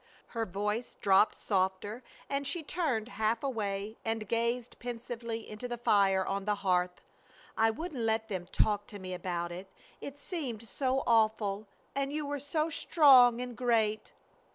Her voice dropped softer, and she turned half away and gazed pensively into the fire on the hearth. "I wouldn't let them talk to me about it. It seemed so awful. And you were so strong and great."